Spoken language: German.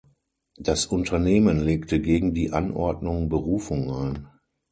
Das Unternehmen legte gegen die Anordnung Berufung ein.